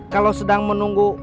kalau sedang menunggu